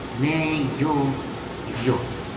میں یوہ ہِریو